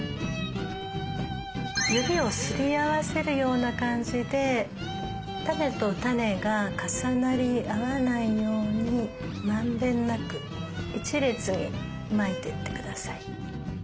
指をすり合わせるような感じで種と種が重なり合わないようにまんべんなく一列にまいていってください。